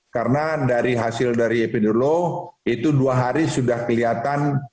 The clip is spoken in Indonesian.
karena dari hasil dari epidemiolog itu dua hari sudah kelihatan